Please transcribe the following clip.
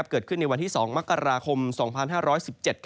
เกิดขึ้นใน๒มคตภาศ๒๕๑๗